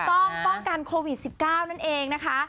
ต้องป้องกันโควิด๑๙นั่นเองนะคะ